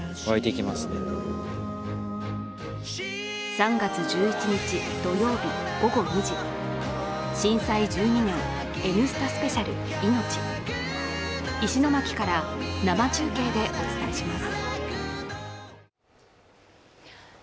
３月１１日土曜日午後２時、「震災１２年Ｎスタスペシャルいのち」石巻から生中継でお伝えします。